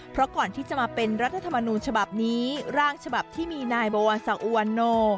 เพราะก่อนที่จะมาเป็นรัฐธรรมนูญฉบับนี้ร่างฉบับที่มีนายบวาสักอุวันโน